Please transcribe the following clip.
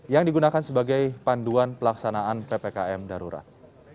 yang digunakan sebagai panduan pelaksanaan ppkm darurat